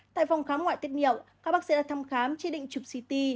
tại phòng khám ngoại tiết nghiệm các bác sĩ đã thăm khám chế định chụp ct